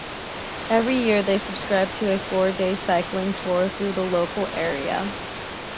Every year they subscribe to a four-day cycling tour through the local area.